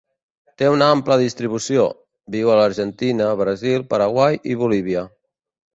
Té una ampla distribució: viu a l'Argentina, Brasil, Paraguai i Bolívia.